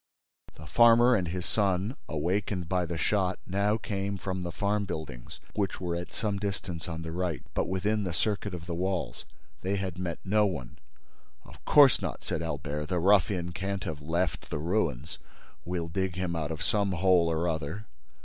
The farmer and his son, awakened by the shot, now came from the farm buildings, which were at some distance on the right, but within the circuit of the walls. They had met no one. "Of course not," said Albert. "The ruffian can't have left the ruins—We'll dig him out of some hole or other."